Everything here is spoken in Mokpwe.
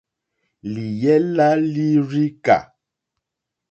Lìyɛ́ lá līrzīkà.